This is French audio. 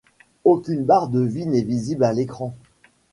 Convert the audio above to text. Aucune barre de vie n'est visible à l'écran.